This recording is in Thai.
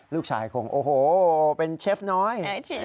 ลูกชายคงเป็นเชฟน้อย